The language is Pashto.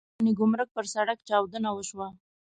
د پخواني ګمرک پر سړک چاودنه وشوه.